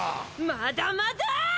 まだまだあ！